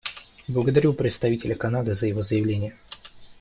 Благодарю представителя Канады за его заявление.